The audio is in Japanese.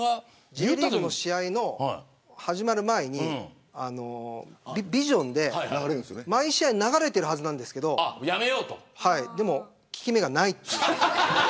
Ｊリーグの試合が始まる前にビジョンで毎試合流れてるはずなんですけどでも、効き目がない。